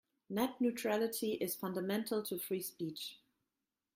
Net neutrality is fundamental to free speech.